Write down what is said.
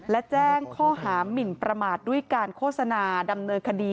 และแจ้งข้อหามินประมาทด้วยการโฆษณาดำเนินคดี